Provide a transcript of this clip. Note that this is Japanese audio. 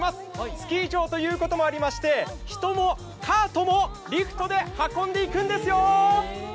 スキー場ということもありまして人もカートもリフトで運んでいくんですよ！